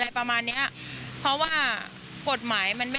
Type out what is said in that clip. เธอก็ทำในสิ่งที่มันผิดกฎหมายดีกว่า